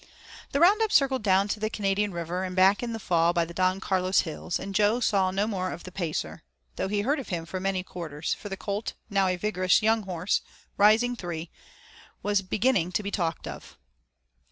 The roundup circled down to the Canadian River, and back in the fall by the Don Carlos Hills, and Jo saw no more of the Pacer, though he heard of him from many quarters, for the colt, now a vigorous, young horse, rising three, was beginning to be talked of.